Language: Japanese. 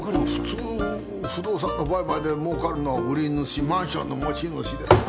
普通不動産の売買でもうかるのは売主マンションの持ち主ですな。